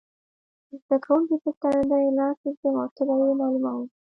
د زده کوونکي پر تندې لاس ږدم او تبه یې معلوموم.